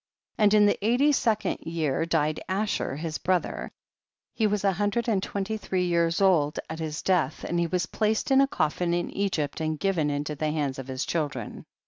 4. And in the eighty second year died Asher his brother, he was a hun dred and twenty three years old at iiis death, and he was placed in a coffin in Egyi)t, and given into the liands of his cluldren.